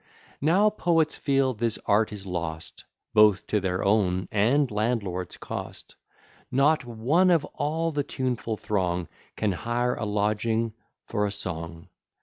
Now Poets feel this art is lost, Both to their own and landlord's cost. Not one of all the tuneful throng Can hire a lodging for a song.